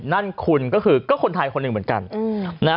นั่นคุณก็คือก็คนไทยคนหนึ่งเหมือนกัน